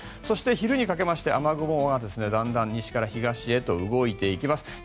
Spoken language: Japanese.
そして昼にかけて雨雲がだんだん西から東へと動いていきます。